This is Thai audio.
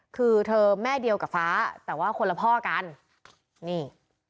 คือเธอแม่เดียวกับฟ้าแต่ว่าคนละพ่อกันนี่